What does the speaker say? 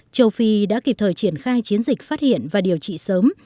châu phi đã kịp thời triển khai chiến dịch phát hiện và điều trị sớm